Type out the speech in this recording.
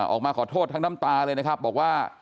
ออกมาขอโทษทั้งน้ำตาเลยนะครับบอกว่า